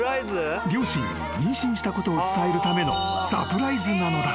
両親に妊娠したことを伝えるためのサプライズなのだ］